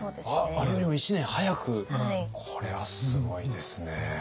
あれよりも１年早くこれはすごいですね。